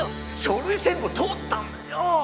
書類選考通ったんだよ！